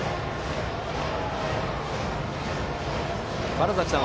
川原崎さん